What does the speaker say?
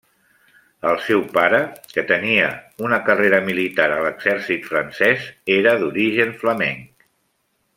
El seu pare, que tenia una carrera militar a l'exèrcit francès, era d'origen flamenc.